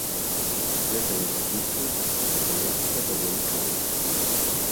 Гэтая пазіцыя сустракаецца даволі часта.